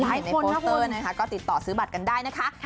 ในคอนเตอร์นะคะก็ติดต่อซื้อบัตรกันได้นะคะ